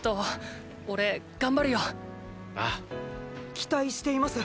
期待しています。